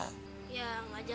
ya tidak janji mas